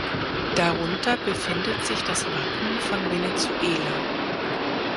Darunter befindet sich das Wappen von Venezuela.